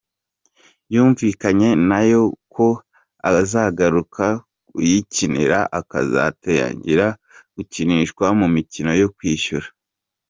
Yumvikanye nayo ko azagaruka kuyikinira akazatangira gukinishwa mu mikino yo kwishyura.